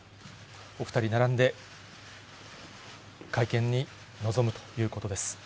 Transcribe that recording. お二人並んで会見に臨むということです。